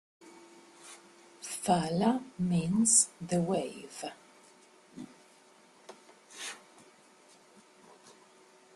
"Fala" means 'the wave'.